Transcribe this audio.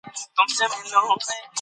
بشپړوونکې دانې د انرژۍ سرچینه دي.